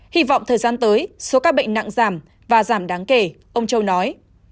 hy vọng thời gian tới số ca bệnh nặng giảm và giảm đáng kể ông châu nói